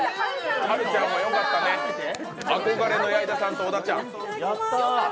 はるちゃんもよかったね、憧れの矢井田さんと小田ちゃん。